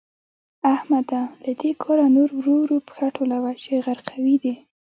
احمده؛ له دې کاره نور ورو ورو پښه ټولوه چې غرقوي دي.